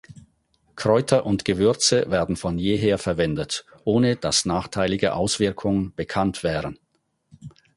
Kräuter und Gewürze werden von jeher verwendet, ohne dass nachteilige Auswirkungen bekannt wären.